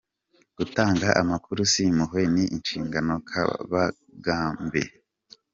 Gutanga amakuru si impuhwe ni inshingano_Kabagambe